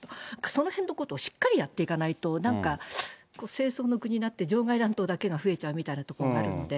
そのへんのことをしっかりやっていかないと、なんか、政争の具になって、場外乱闘だけじゃ増えちゃうみたいなことあるので。